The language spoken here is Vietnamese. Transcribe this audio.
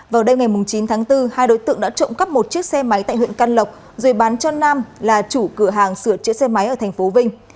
vào đêm ngày chín tháng bốn hai đối tượng đã trộm cắp một chiếc xe máy tại huyện can lộc rồi bán cho nam là chủ cửa hàng sửa chữa xe máy ở thành phố vinh